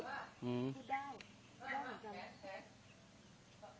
แล้วที่ติดแล้วอ่อนพี่โอ๋ย